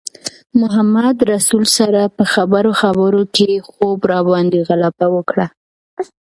محمدرسول سره په خبرو خبرو کې خوب راباندې غلبه وکړه.